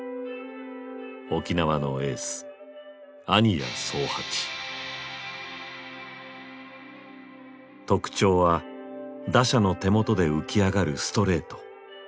沖縄のエース特徴は打者の手元で浮き上がるストレート。